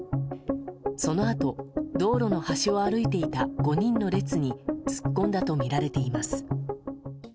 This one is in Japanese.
そのあと、道路の端を歩いていた５人の列に突っ込んだとみられています。